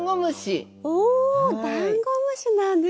おダンゴムシなんですね！